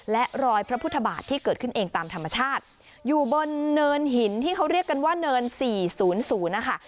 และรอยพระพุทธบาทที่เกิดขึ้นเองตามธรรมชาติอยู่บนเนินหินที่เขาเรียกกันว่าเนินสี่ศูนย์ศูนย์นะคะ